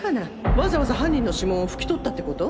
わざわざ犯人の指紋を拭き取ったってこと？